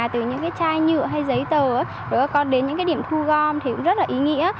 từ những cái chai nhựa hay giấy tờ để các con đến những cái điểm thu gom thì cũng rất là ý nghĩa